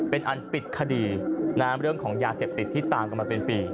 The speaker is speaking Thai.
เป็นอันปิดคดีเรื่องของยาเสพติดที่ตามกันมาเป็นปี